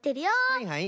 はいはい。